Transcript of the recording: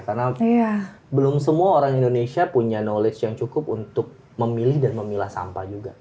karena belum semua orang indonesia punya knowledge yang cukup untuk memilih dan memilah sampah juga